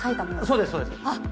そうですそうです。